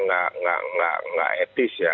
secara etika ya nggak etis ya